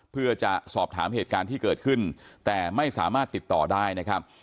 เพื่อจะสอบถามเหตุการณ์ที่เกิดขึ้นแต่ไม่สามารถติดต่อได้นะครับ